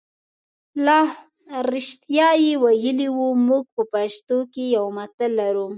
رښتیا یې ویلي وو موږ په پښتو کې یو متل لرو.